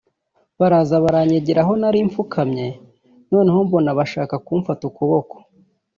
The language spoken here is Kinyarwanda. baraza baranyegera aho nari mfukamye noneho mbona bashaka kumfata ukuboko